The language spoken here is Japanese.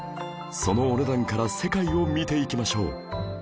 そのお値段から世界を見ていきましょう